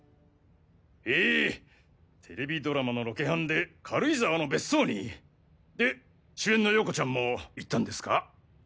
へぇテレビドラマのロケハンで軽井沢の別荘に。で主演のヨーコちゃんも行ったんですか？